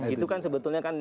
itu kan sebetulnya kan